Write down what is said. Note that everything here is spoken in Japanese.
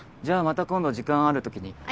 じゃあまた今度時間あるときに。